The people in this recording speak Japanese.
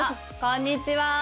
こんにちは！